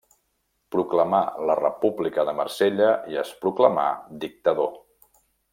Proclamà la República de Marsella i es proclamà dictador.